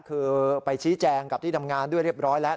คือไปชี้แจงกับที่ทำงานด้วยเรียบร้อยแล้ว